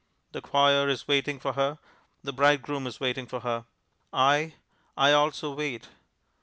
The choir is waiting for her; the bridegroom is waiting for her. I I also wait.